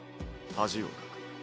恥をかく。